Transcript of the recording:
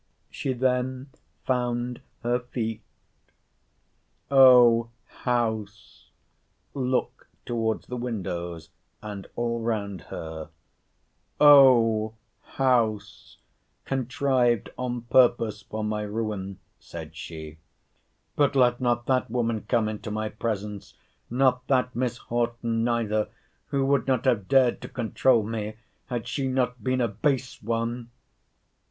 She then found her feet—O house [look towards the windows, and all round her, O house,] contrived on purpose for my ruin! said she—but let not that woman come into my presence—not that Miss Horton neither, who would not have dared to controul me, had she not been a base one!